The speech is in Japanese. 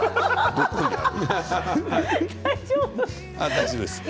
どこにある？